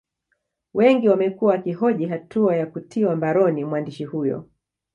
Wengi wamekuwa wakihoji hatua ya kutiwa mbaroni mwandishi huyo